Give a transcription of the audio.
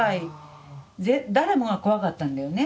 誰もが怖かったんだよね。